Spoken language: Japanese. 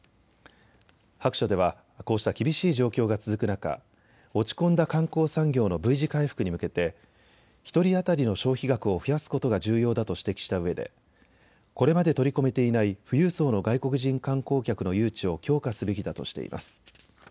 白書ではこうした厳しい状況が続く中、落ち込んだ観光産業のＶ字回復に向けて１人当たりの消費額を増やすことが重要だと指摘したうえでこれまで取り込めていない富裕層の外国人観光客の誘致を強化すべきだとしています。